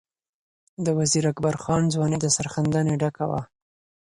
د وزیر اکبر خان ځواني د سرښندنې ډکه وه.